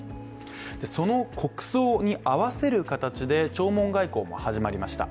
その国葬に合わせる形で弔問外交も始まりました。